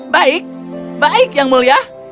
baik baik yang mulia